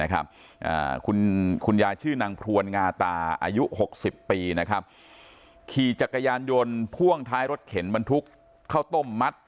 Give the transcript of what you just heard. คุณยายชื่อนางพรวนงาตาอายุ๖๐ปีนะครับขี่จักรยานยนต์พ่วงท้ายรถเข็นบรรทุกข้าวต้มมัด